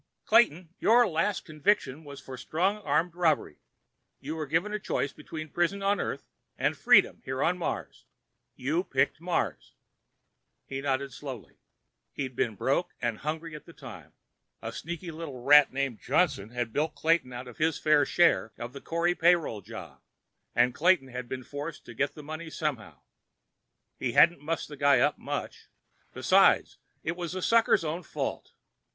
"Clayton, your last conviction was for strong arm robbery. You were given a choice between prison on Earth and freedom here on Mars. You picked Mars." He nodded slowly. He'd been broke and hungry at the time. A sneaky little rat named Johnson had bilked Clayton out of his fair share of the Corey payroll job, and Clayton had been forced to get the money somehow. He hadn't mussed the guy up much; besides, it was the sucker's own fault.